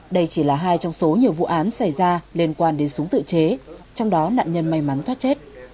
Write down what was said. đây chỉ là hai trong số nhiều vụ án xảy ra liên quan đến súng tự chế trong đó nạn nhân may mắn thoát chết